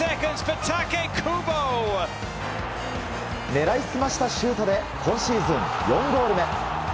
狙い澄ましたシュートで今シーズン４ゴール目。